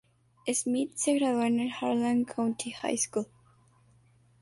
Smith se graduó en el Harlan County High School.